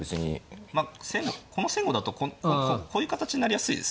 まあこの先後だとこういう形になりやすいですよね